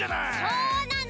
そうなの！